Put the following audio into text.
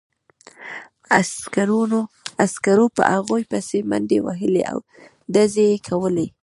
عسکرو په هغوی پسې منډې وهلې او ډزې یې کولې